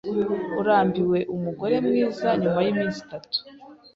Urambiwe umugore mwiza nyuma yiminsi itatu.